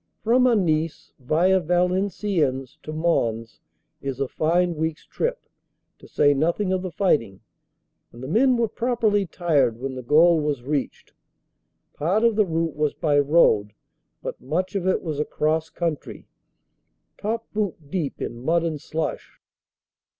From Anice via Valenciennes to Mons is a fine week s trip, to say nothing of the fighting, and the men were properly tired when the goal was reached. Part of the route was by road, but much of it was across country top boot deep in mud and slush.